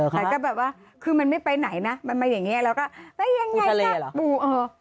แล้วแบบว่าคือมันไม่ไปไหนนะมันมาอย่างเงี้ยแล้วก็ไปยังไงกับปู